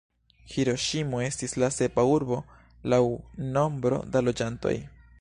Hiroŝimo estis la sepa urbo laŭ nombro da loĝantoj.